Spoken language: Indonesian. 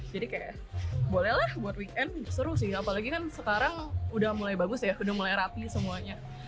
jadi kayak boleh lah buat weekend seru sih apalagi kan sekarang udah mulai bagus ya udah mulai rapi semuanya